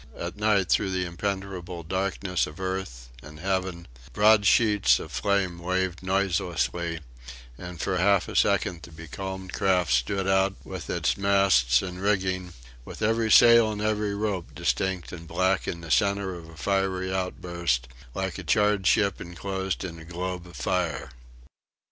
At night, through the impenetrable darkness of earth and heaven, broad sheets of flame waved noiselessly; and for half a second the becalmed craft stood out with its masts and rigging, with every sail and every rope distinct and black in the centre of a fiery outburst, like a charred ship enclosed in a globe of fire.